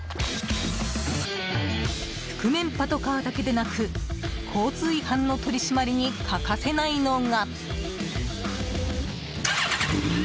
覆面パトカーだけでなく交通違反の取り締まりに欠かせないのが。